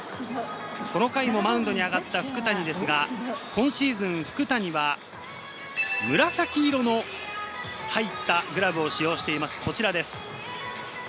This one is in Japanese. この回もマウンドに上がった福谷ですが、今シーズン福谷は紫色の入ったグラブを使用しています。